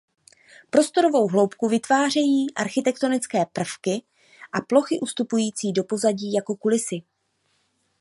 Prostorovou hloubku vytvářejí architektonické prvky a plochy ustupující do pozadí jako kulisy.